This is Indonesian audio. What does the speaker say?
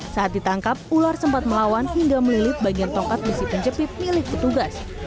saat ditangkap ular sempat melawan hingga melilit bagian tongkat besi penjepit milik petugas